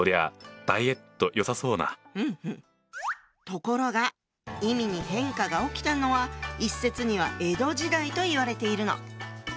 ところが意味に変化が起きたのは一説には江戸時代といわれているの。